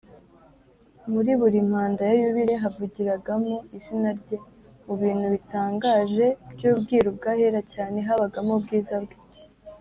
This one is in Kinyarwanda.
. Muri buri mpanda ya yubile havugiragamo izina Rye. Mu bintu bitangaje by’ubwiru bw’Ahera Cyane habagamo ubwiza Bwe.